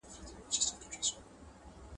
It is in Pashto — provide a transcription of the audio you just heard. نن سبا به ګورو عدالت د نړۍ څه وايي ,